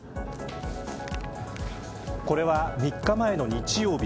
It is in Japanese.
これは３日前の日曜日。